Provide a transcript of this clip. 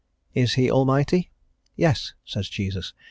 Is He Almighty? "Yes," says Jesus.